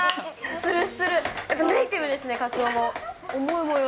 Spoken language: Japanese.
するする、ネーティブですね、かつおも。